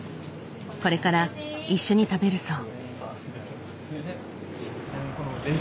これから一緒に食べるそう。